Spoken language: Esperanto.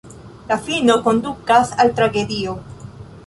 La fino kondukas al tragedio.